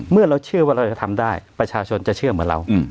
เมื่อเราเชื่อว่าเราจะทำได้ประชาชนจะเชื่อเหมือนเรา